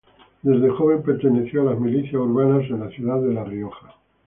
Desde joven perteneció a las milicias urbanas en la ciudad de La Rioja.